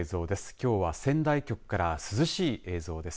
きょうは仙台局から涼しい映像です。